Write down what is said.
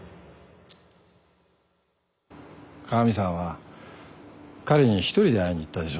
加賀美さんは彼に一人で会いに行ったでしょ？